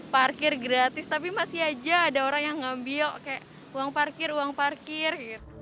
parkir gratis tapi masih aja ada orang yang ngambil kayak uang parkir uang parkir